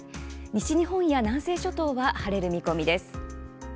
西日本や南西諸島は晴れる見込みです。